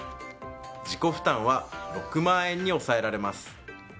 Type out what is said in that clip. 自己負担は６万円に抑えられます。